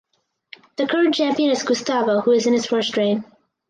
The current champion is Gustavo who is in his first reign.